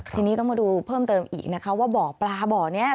ทีนี้ต้องมาดูเพิ่มเติมอีกนะคะว่าบ่อปลาบ่อนี้